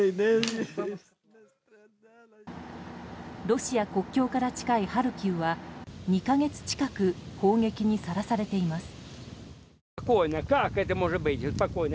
ロシア国境から近いハルキウは２か月近く砲撃にさらされています。